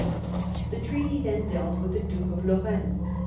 The treaty then de|dt with the Duke of Lorraine.